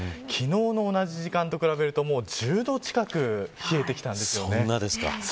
昨日の同じ時間と比べると１０度近く冷えてきたんですよね。